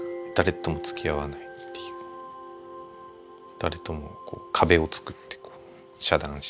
誰ともこう壁をつくって遮断して。